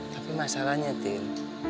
tapi masalahnya tin